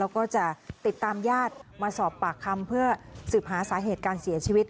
แล้วก็จะติดตามญาติมาสอบปากคำเพื่อสืบหาสาเหตุการเสียชีวิต